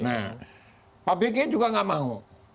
nah pak bg juga nggak mau